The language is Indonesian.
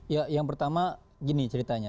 ya yang pertama gini ceritanya